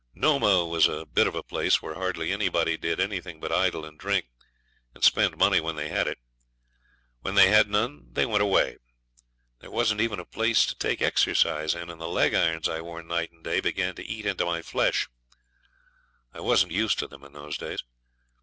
Nomah was a bit of a place where hardly anybody did anything but idle and drink, and spend money when they had it. When they had none they went away. There wasn't even a place to take exercise in, and the leg irons I wore night and day began to eat into my flesh. I wasn't used to them in those days.